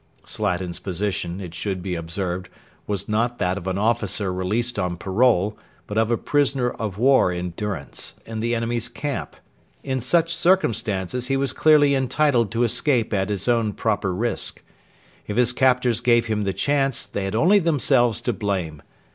Slatin's position, it should be observed, was not that of an officer released on parole, but of a prisoner of war in durance in the enemy's camp. In such circumstances he was clearly entitled to escape at his own proper risk. If his captors gave him the chance, they had only themselves to blame.